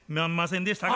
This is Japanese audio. でしたか？